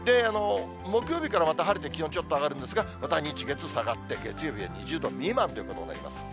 木曜日からまた晴れて、気温ちょっと上がるんですが、また日、月、下がって、月曜日は２０度未満ということになります。